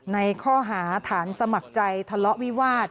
ในข้อหาฐานสมัครใจทะเลาะวิวาส